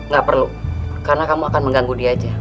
gak perlu karena kamu akan mengganggu dia aja